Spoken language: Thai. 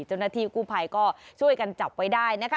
เจ้าหน้าที่กู้ภัยก็ช่วยกันจับไว้ได้นะคะ